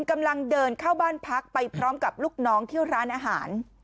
กำลังเดินเข้าบ้านพักไปพร้อมกับลูกน้องที่ร้านอาหาร